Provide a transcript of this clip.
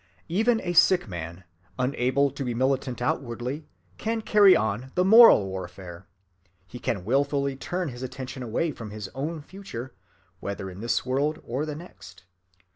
Even a sick man, unable to be militant outwardly, can carry on the moral warfare. He can willfully turn his attention away from his own future, whether in this world or the next.